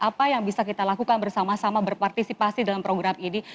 apa yang bisa kita lakukan bersama sama berpartisipasi dalam program ini